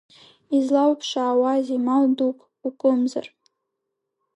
Излауԥшаауази, мал дук укымзар?